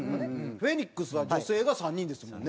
フェニックスは女性が３人ですもんね。